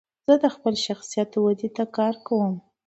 زه د خپل شخصیت ودي ته کار کوم.